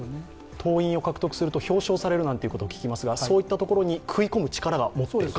党員を獲得すると表彰されるなんてことも聞きますがそういったところに食い込む力を持っている方。